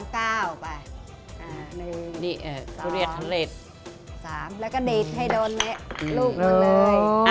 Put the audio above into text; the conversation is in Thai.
๓เก้าไป๑๒๓แล้วก็ดีดให้โดนลูกมันเลย